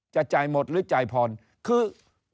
จะจ่ายหมดหรือจ่ายผ่อนคือ